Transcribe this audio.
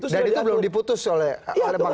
dan itu belum diputus oleh mahkamah agung